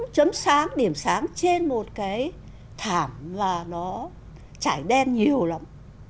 chấm sáng điểm sáng trên một cái thảm và nó trải đen nhiều lắm